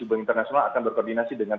event internasional akan berkoordinasi dengan